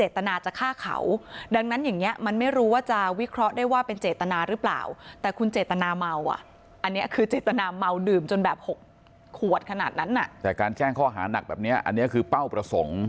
แต่การแจ้งข้อหานักแบบนี้อันนี้คือเป้าประสงค์